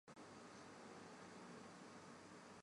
并曾在哈佛大学进修风险投资及私募产权投资课程。